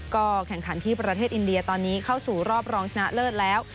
ก็แข่งขันที่ประเทศอินเดียตอนนี้เข้าสู่รอบรองชนะเลิศแล้ว